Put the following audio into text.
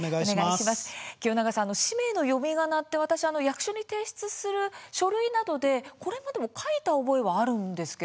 清永さん、氏名の読みがな役所に提出する書類で私、書いた覚えもあるんですが。